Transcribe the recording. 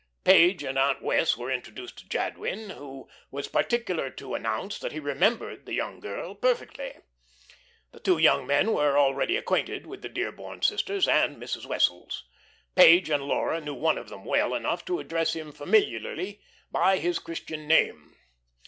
Page and Aunt Wess' were introduced to Jadwin, who was particular to announce that he remembered the young girl perfectly. The two young men were already acquainted with the Dearborn sisters and Mrs. Wessels. Page and Laura knew one of them well enough to address him familiarly by his Christian name.